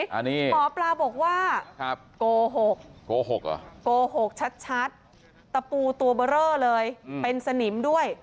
หมอปลาบอกว่าโกหกโกหกเหรอโกหกชัดตะปูตัวเบอร์เรอเลยเป็นสนิมด้วย